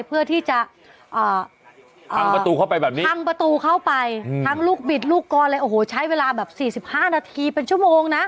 เพื่อที่จะทั้งประตูเข้าไปทั้งลูกบิดลูกก้อนใช้เวลาแบบ๔๕นาทีเป็นชั่วโมงนะ